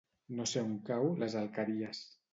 No sé on cau les Alqueries.